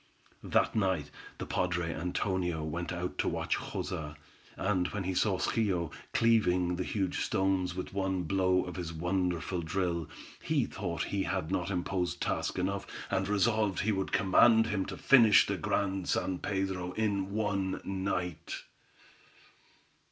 That night the padre Antonio went out to watch Joza, and when he saw Schio cleaving the huge stones with one blow of his wonderful drill, he thought he had not imposed task enough, and resolved he would command him to finish the Grand San Pedro in one night.